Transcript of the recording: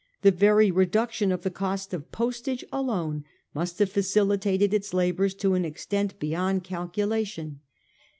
The very reduction of the cost of postage alone must have facilitated its labours, to an extent beyond calculation.